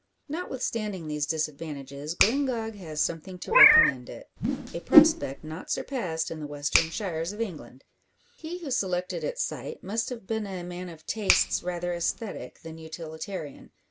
Notwithstanding these disadvantages, Glyngog has something to recommend it a prospect not surpassed in the western shires of England. He who selected its site must have been a man of tastes rather aesthetic, than utilitarian.